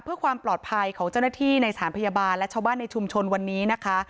เพื่อความปลอดภัยของเจ้าหน้าที่ในสถานพยาบาลและชาวบ้านในชุมชนวันนี้นะคะ